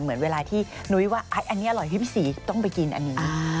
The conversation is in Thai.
เหมือนเวลาที่นุ้ยว่าอันนี้อร่อย๒๔ต้องไปกินอันนี้